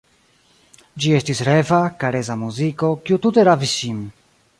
Ĝi estis reva, karesa muziko, kiu tute ravis ŝin.